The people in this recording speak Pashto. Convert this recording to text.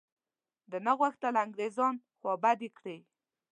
ده نه غوښتل انګرېزان خوابدي کړي.